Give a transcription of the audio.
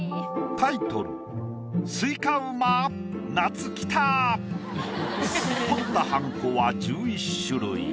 タイトル彫ったはんこは１１種類。